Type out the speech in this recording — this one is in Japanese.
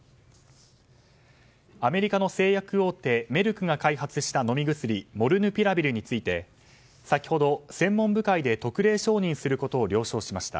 アメリカの製薬大手メルクが開発した飲み薬モルヌピラビルについて先ほど専門部会で特例承認することを了承しました。